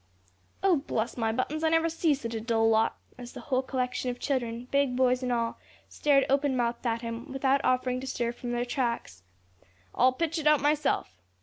"Oh, bless my buttons, I never see such a dull lot," as the whole collection of children, big boys and all, stared open mouthed at him, without offering to stir from their tracks. "I'll pitch it out myself."